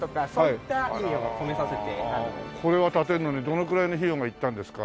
これは建てるのにどのぐらいの費用がいったんですか？